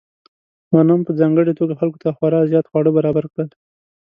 غنم په ځانګړې توګه خلکو ته خورا زیات خواړه برابر کړل.